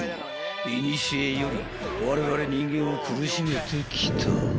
［いにしえよりわれわれ人間を苦しめてきた］